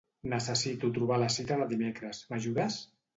Necessito trobar la cita de dimecres, m'ajudes?